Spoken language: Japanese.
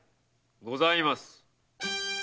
ございます。